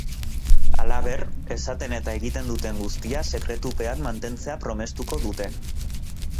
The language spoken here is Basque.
Halaber, esaten eta egiten duten guztia sekretupean mantentzea promestuko dute.